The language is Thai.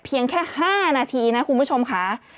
เพียงแค่๕นาทีนะคุณผู้ชมค่ะ